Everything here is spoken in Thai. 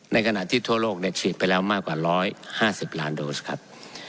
ในขณะที่ทั่วโลกฉีดไปแล้วมากกว่า๑๕๐ล้านโดสครับ